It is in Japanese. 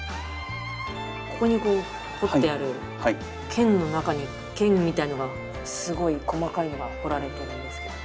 ここにこう彫ってある剣の中に剣みたいなのがすごい細かいのが彫られてるんですけど。